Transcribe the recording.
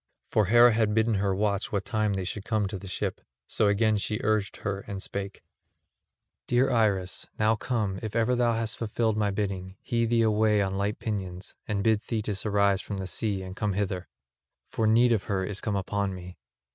For Hera had bidden her watch what time they should come to the ship; so again she urged her and spake: "Dear Iris, now come, if ever thou hast fulfilled my bidding, hie thee away on light pinions, and bid Thetis arise from the sea and come hither. For need of her is come upon me.